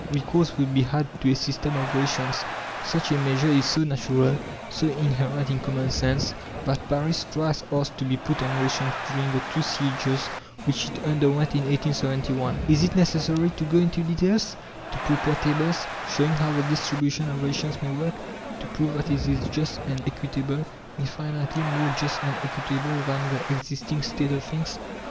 Recourse would be had to a system of rations. Such a measure is so natural, so inherent in common sense, that Paris twice asked to be put on rations during the two sieges which it underwent in 1871. Is it necessary to go into details, to prepare tables, showing how the distribution of rations may work, to prove that it is just and equitable, infinitely more just and equitable than the existing state of things?